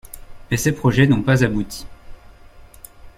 Mais ces projets n'ont pas abouti.